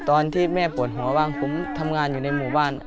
ตอนที่แม่ปวดหัวบ้างผมทำงานอยู่ในหมู่บ้าน